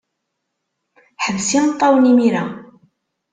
Ḥbes imeṭṭawen imir-a.